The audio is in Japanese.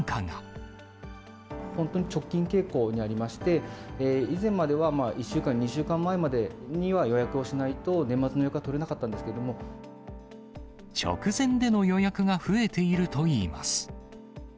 本当に直近傾向にありまして、以前までは１週間、２週間前までには予約をしないと、年末の予約直前での予約が増えているといいます。